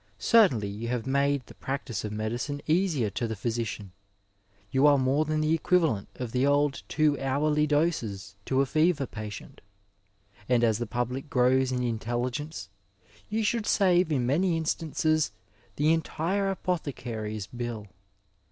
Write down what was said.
Certainly you have made the practice of medicine easier to the physician; you are more than the equivalent of the old two hourly doses to a fever patient ; and as the public gcows in inteUigence you should save in many instances the entire apothecary's bill.